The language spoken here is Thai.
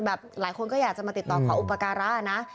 หลายคนก็อยากจะมาติดต่อขออุปการะนะ